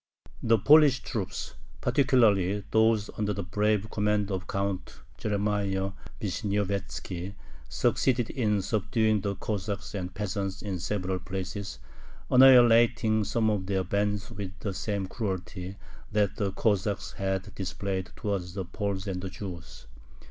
The Polish troops, particularly those under the brave command of Count Jeremiah Vishniovetzki, succeeded in subduing the Cossacks and peasants in several places, annihilating some of their bands with the same cruelty that the Cossacks had displayed towards the Poles and the Jews.